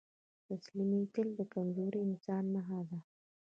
تسليمېدل د کمزوري انسان نښه ده.